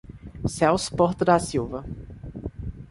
Celso Porto da Silva